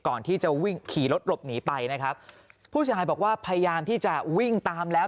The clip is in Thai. ก่อนที่จะวิ่งขี่รถหลบหนีไปนะครับผู้ชายบอกว่าพยายามที่จะวิ่งตามแล้ว